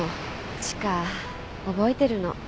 千賀覚えてるの。